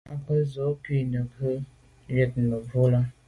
À be z’o kô neghù wut mebwô là.